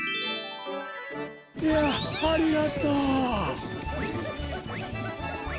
いやありがとう。